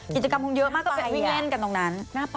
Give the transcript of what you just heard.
กิจกรรมคงเยอะมากต้องไปเว้นเว้นกันตรงนั้นนะไปอ่ะ